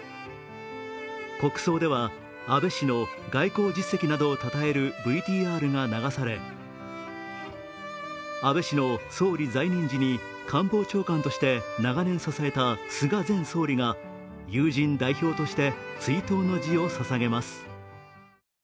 国葬では、安倍氏の外交実績などをたたえるＶＴＲが流され、安倍氏の総理在任時に官房長官として長年支えた菅前総理が友人代表として追悼の辞をささげます。